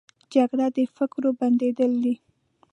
جګړه د فکرو بندېدل دي